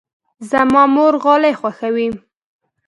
زما مور غالۍ خوښوي.